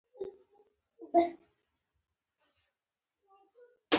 د امریکا د نورو برخو په څېر ناروغیو او زبېښاک ډېر نفوس تلف کړ.